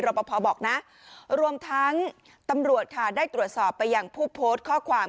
ปภบอกนะรวมทั้งตำรวจค่ะได้ตรวจสอบไปยังผู้โพสต์ข้อความ